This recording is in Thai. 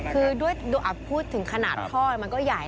คือด้วยพูดถึงขนาดท่อมันก็ใหญ่